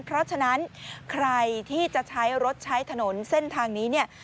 เพราะฉะนั้นใครที่จะใช้รถใช้ถนนเส้นทางนี้เนี่ย